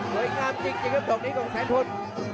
เฮ้ยงามจริงจริงเพาะตรงนี้ของแสนทน